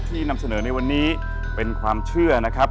นำเสนอในวันนี้เป็นความเชื่อนะครับ